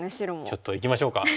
ちょっといきましょうか。